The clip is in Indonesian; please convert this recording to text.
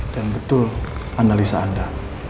dan betul analisa anda